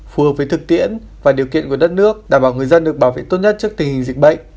phù hợp với thực tiễn và điều kiện của đất nước đảm bảo người dân được bảo vệ tốt nhất trước tình hình dịch bệnh